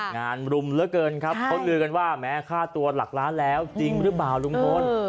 งานรุมเหลือเกินครับเขาลือกันว่าแม้ค่าตัวหลักล้านแล้วจริงหรือเปล่าลุงพล